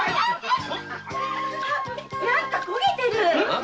あ⁉何か焦げてる！